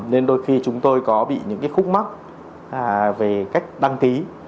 nên đôi khi chúng tôi có bị những cái khúc mắc về cách đăng ký